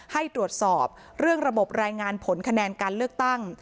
ให้ตรวจสอบเรื่องระบบรายงานผลคะแนนการเลือกตั้ง